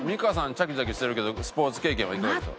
チャキチャキしてるけどスポーツ経験はいかがでしょう？